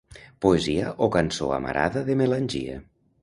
Poesia o cançó amarada de melangia.